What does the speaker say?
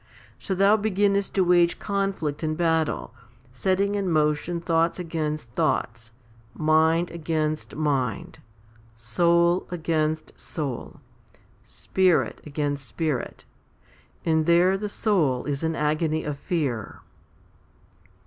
So thou beginnest to wage conflict and battle, setting in motion thoughts against thoughts, mind against mind, soul against soul, spirit against spirit ; and there the soul is in agony of fear.